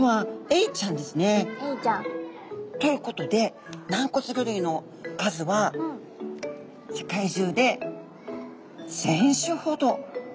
エイちゃん。ということで軟骨魚類の数は世界中で１，０００種ほど。